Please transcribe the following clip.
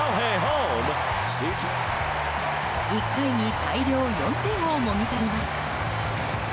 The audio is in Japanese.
１回に大量４点をもぎ取ります。